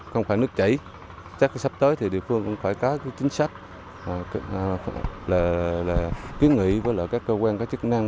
không phải nước chảy chắc sắp tới thì địa phương cũng phải có cái chính sách là kiến nghị với các cơ quan có chức năng